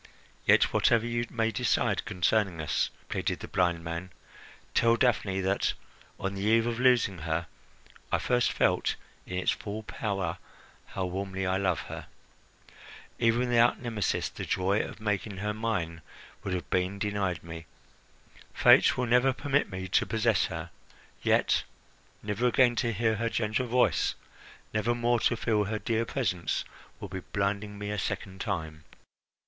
"Yet whatever you may decide concerning us," pleaded the blind man, "tell Daphne that, on the eve of losing her, I first felt in its full power how warmly I love her. Even without Nemesis, the joy of making her mine would have been denied me. Fate will never permit me to possess her; yet never again to hear her gentle voice, never more to feel her dear presence, would be blinding me a second time."